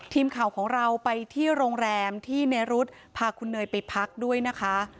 ทีมข่าวของเราไปที่โรงแรมที่เนรุธพาคุณเนยไปพักด้วยนะคะ